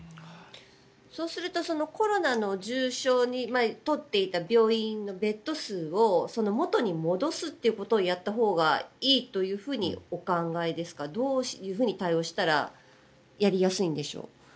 そうするとコロナの重症に取っていた病院のベッド数を元に戻すことをやったほうがいいとお考えですかどういうふうに対応したらやりやすいんでしょう？